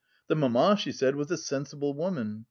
The mamma, she said, was a sensible woman.